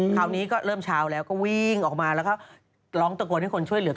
คราวนี้ก็เริ่มเช้าแล้วก็วิ่งออกมาแล้วก็ร้องตะโกนให้คนช่วยเหลือ